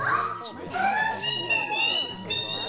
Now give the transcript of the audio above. たのしんでねっピィ。